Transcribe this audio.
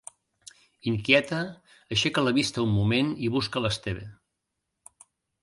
Inquieta, aixeca la vista un moment i busca l'Esteve.